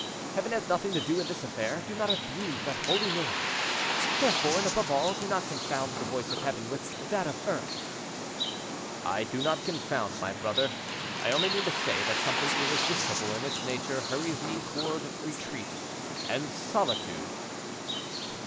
Heaven has nothing to do in this affair; do not abuse that holy name, therefore, and, above all, do not confound the voice of Heaven with, that of earth." "I do not confound, my brother; I only mean to say that something irresistible in its nature hurries me toward retreat and solitude."